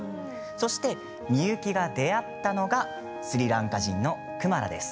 そしてミユキが出会ったのがスリランカ人のクマラです。